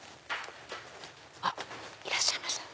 あっいらっしゃいました。